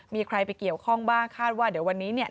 มีใครไปเกี่ยวข้องบ้างคาดว่าเดี๋ยววันนี้เนี่ย